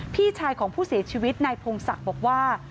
พี่ชายของผู้เสียชีวิตนายพงศักดิ์บอกว่า